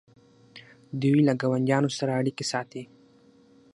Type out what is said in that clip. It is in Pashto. دوی له ګاونډیانو سره اړیکې ساتي.